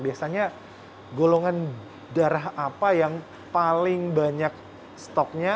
biasanya golongan darah apa yang paling banyak stoknya